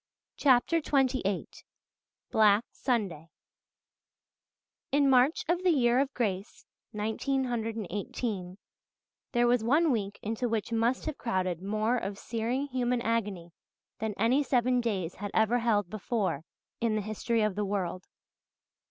CHAPTER XXVIII BLACK SUNDAY In March of the year of grace 1918 there was one week into which must have crowded more of searing human agony than any seven days had ever held before in the history of the world.